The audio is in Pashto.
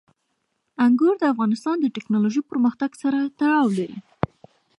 انګور د افغانستان د تکنالوژۍ پرمختګ سره تړاو لري.